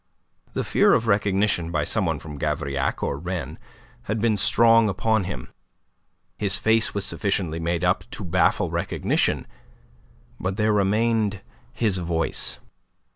The fear of recognition by some one from Gavrillac or Rennes had been strong upon him. His face was sufficiently made up to baffle recognition; but there remained his voice.